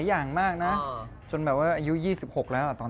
ยังเลยฮะไม่มีเด็กให้หลอก